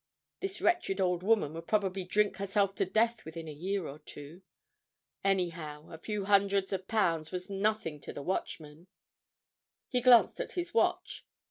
This wretched old woman would probably drink herself to death within a year or two. Anyhow, a few hundreds of pounds was nothing to the Watchman. He glanced at his watch.